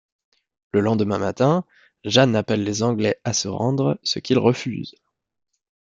Le lendemain matin, Jeanne appelle les Anglais à se rendre, ce qu'ils refusent.